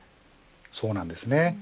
そうなんですね。